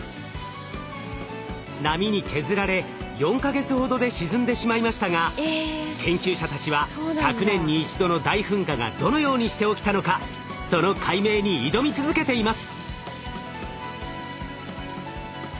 波に削られ４か月ほどで沈んでしまいましたが研究者たちは１００年に一度の大噴火がどのようにして起きたのかその解明に挑み続けています。